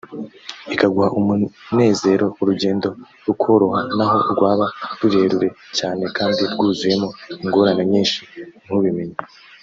ikaguha umunezero; urugendo rukoroha n’aho rwaba rurerure cyane kandi rwuzuyemo ingorane nyinshi ntubimenya